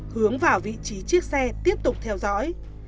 hướng vào vị trí chiếc xe tiếp tục theo dõi